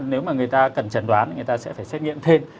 nếu mà người ta cần chẩn đoán người ta sẽ phải xét nghiệm thêm